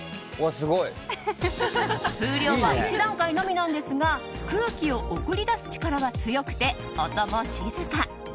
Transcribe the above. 風量は１段階のみなんですが空気を送り出す力が強くて音も静か。